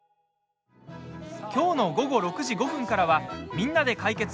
きょうの午後６時５分からは「みんなで解決！